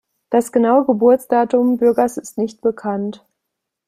Das genaue Geburtsdatum Bürgers ist nicht bekannt.